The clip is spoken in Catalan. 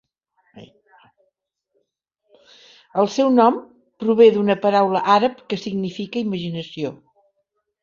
El seu nom prové d'una paraula àrab que significa "imaginació".